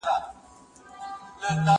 زه به سبا پلان جوړ کړم!؟